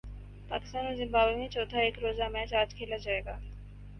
پاکستان اور زمبابوے میں چوتھا ایک روزہ میچ اج کھیلا جائے گا